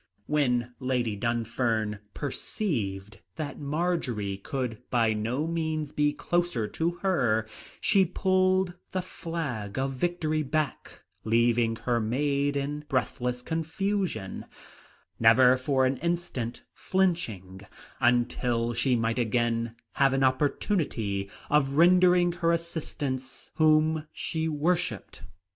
When Lady Dunfern perceived that Marjory could by no means be closer to her, she pulled the flag of victory back, leaving her maid in breathless confusion, never for an instant flinching until she might again have an opportunity of rendering her assistance whom she worshipped.